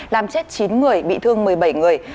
làm chết chín người bị thương một mươi bảy người